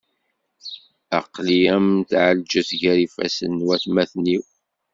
Aql-i am tɛelǧet gar yifassen n watmaten-iw.